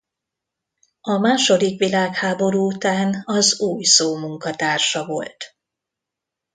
A második világháború után az Új Szó munkatársa volt.